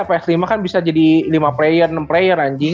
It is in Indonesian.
ps lima kan bisa jadi lima player enam player anji